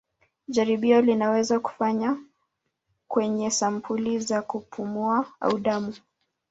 Jaribio linaweza kufanywa kwenye sampuli za kupumua au damu.